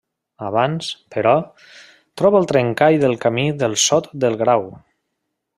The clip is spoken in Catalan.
Abans, però, troba el trencall del Camí del Sot del Grau.